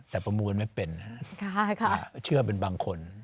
แต่ประมวลไม่เป็นเชื่อเป็นบางคน